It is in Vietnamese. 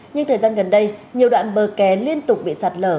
nhưng thời gian gần đây nhiều đoạn bờ kè liên tục bị sạt lở